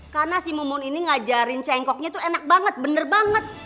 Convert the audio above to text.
karena si mumun ini ngajarin cengkoknya tuh enak banget bener banget